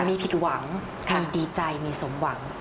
มีผิดหวังมีดีใจมีสมหวัง